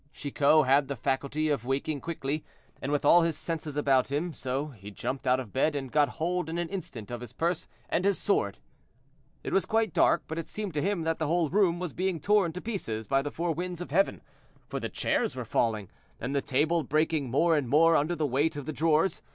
Chicot had the faculty of waking quickly, and with all his senses about him, so he jumped out of bed and got hold in an instant of his purse and his sword. It was quite dark, but it seemed to him that the whole room was being torn to pieces by the four winds of heaven; for the chairs were falling, and the table breaking more and more under the weight of the drawers.